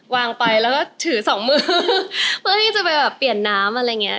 วางไปแล้วก็ถือสองมือเพื่อที่จะไปแบบเปลี่ยนน้ำอะไรอย่างเงี้